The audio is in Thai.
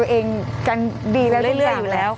กรมป้องกันแล้วก็บรรเทาสาธารณภัยนะคะ